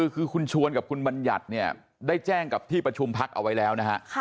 คือคุณชวนกับคุณบัญญัติเนี่ยได้แจ้งกับที่ประชุมพักเอาไว้แล้วนะฮะ